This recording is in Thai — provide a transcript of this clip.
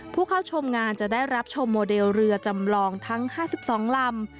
ผู้เข้าชมงานจะได้รับชมโมเดลเรือจำลองทั้ง๕๒ลำ